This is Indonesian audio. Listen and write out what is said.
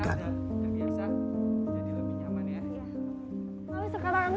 yang biasa jadi lebih nyaman ya